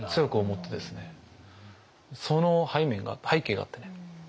その背景があってね